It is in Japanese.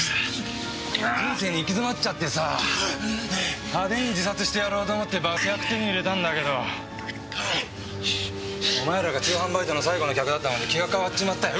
人生に行き詰まっちゃってさ派手に自殺してやろうと思って爆薬手に入れたんだけどお前らが通販バイトの最後の客だったもんで気が変わっちまったよ。